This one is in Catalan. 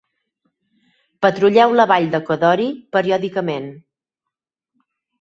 Patrulleu la vall de Kodori periòdicament.